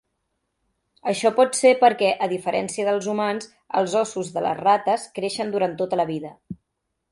Això pot ser perquè a diferència dels humans, els ossos de les rates creixen durant tota la vida.